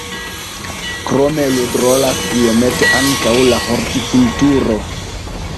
Krome ludrolas iomete ankaŭ la hortikulturo.